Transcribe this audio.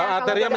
agak repot ya